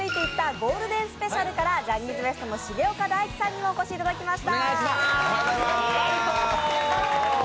ゴールデンスペシャルからジャニーズＷＥＳＴの重岡大毅さんにもお越しいただきました。